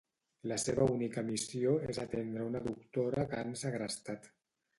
La seva única missió és atendre una doctora que han segrestat.